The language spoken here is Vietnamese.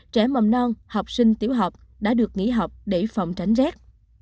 trẻ mầm non học sinh tiểu học đã được nghỉ học để phòng tránh rét